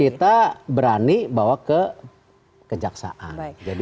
kita berani bawa ke kejaksaan